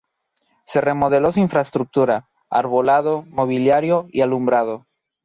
Se remodeló su infraestructura: arbolado, mobiliario y alumbrado.